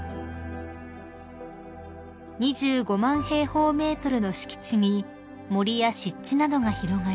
［２５万平方ｍの敷地に森や湿地などが広がり